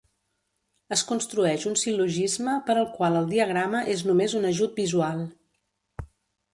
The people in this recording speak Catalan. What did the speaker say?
Es construeix un sil·logisme, per al qual el diagrama és només un ajut visual.